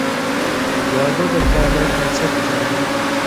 • واده د کورنۍ بنسټ جوړوي.